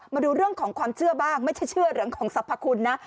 มาดูเรื่องของความเชื่อบ้างไม่ใช่เชื่อเรื่องของสรรพคุณนะ